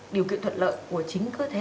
điều kiện thuận lợi của chính cơ thể